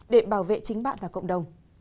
để bảo vệ chính bạn và cộng đồng